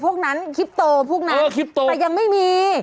พวกนั้นคิปโตพวกนั้นแต่ยังไม่มีเออคิปโต